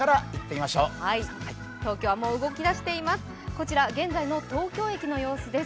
こちら現在の東京駅の様子です。